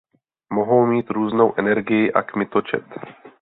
Mohou mít různou energii a kmitočet.